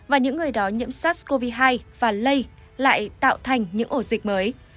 và những người đó nhiễm sars cov hai và lây lại tạo thành những ổ dịch mới